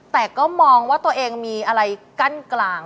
แต่ก็มองว่าตัวเองมีอะไรกั้นกลาง